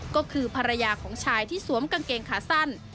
ก็คือภรรยาของชายที่สวมกางเกงขาสั้น